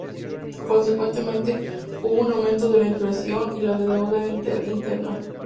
Consecuentemente, hubo un aumento de la inflación y de la deuda interna.